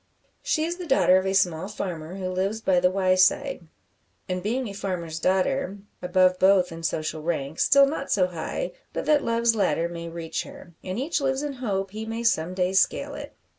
She is the daughter of a small farmer who lives by the Wyeside; and being a farmer's daughter, above both in social rank, still not so high but that Love's ladder may reach her, and each lives in hope he may some day scale it.